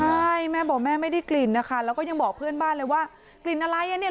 ใช่แม่บอกแม่ไม่ได้กลิ่นนะคะแล้วก็ยังบอกเพื่อนบ้านเลยว่ากลิ่นอะไรอ่ะเนี่ย